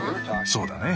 そうだね。